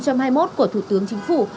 của thủ tướng chính phủ